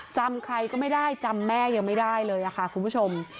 จำใครก็ไม่ได้จำแม่ยังไม่ได้เลยค่ะคุณผู้ชม